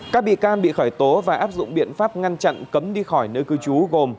các bị can bị khởi tố và áp dụng biện pháp ngăn chặn cấm đi khỏi nơi cư trú gồm